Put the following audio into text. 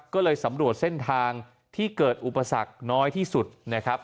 ก็เลยสำรวจเส้นทางที่เกิดอุปสรรคน้อยที่สุดนะครับ